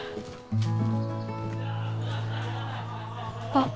・あっ。